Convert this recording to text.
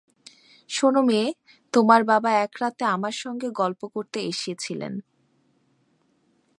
শোন মেয়ে, তোমার বাবা এক রাতে আমার সঙ্গে গল্প করতে এসেছিলেন।